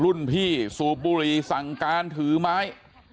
รุ่นพี่สูบบุหรี่สั่งการถือไม้